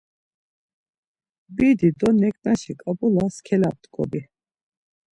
Bidi do neǩnaşi ǩap̌ulas kelap̌t̆ǩobi.